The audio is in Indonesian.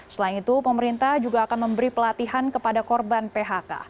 selain itu pemerintah juga akan memberi pelatihan kepada korban phk